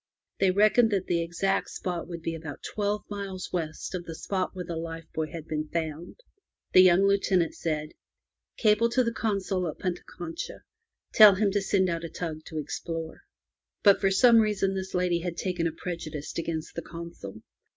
They reckoned that the exact spot would be about twelve miles west of the spot where the life buoy had been found. The young Lieutenant said: "Cable to the Consul at Punta Concha. Tell him to send out a tug to explore. But for some reason this lady had taken a prejudice against the Consul.